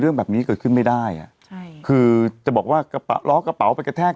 เรื่องแบบนี้เกิดขึ้นไม่ได้อ่ะใช่คือจะบอกว่ากระเป๋าล้อกระเป๋าไปกระแทก